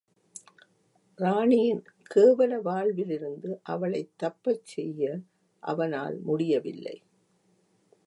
ராணியின் கேவல வாழ்விலிருந்து அவளைத் தப்பச்செய்ய அவனால் முடியவில்லை!